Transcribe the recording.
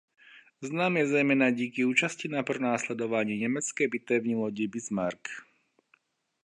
Znám je zejména díky účasti na pronásledování německé bitevní lodi "Bismarck".